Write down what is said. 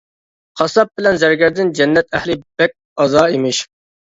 قاسساپ بىلەن زەرگەردىن جەننەت ئەھلى بەك ئاز ئىمىش.